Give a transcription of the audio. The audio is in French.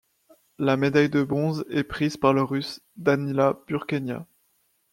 La médaille de bronze est prise par le Russe Danila Burkenya.